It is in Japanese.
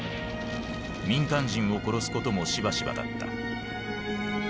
民間人を殺すこともしばしばだった。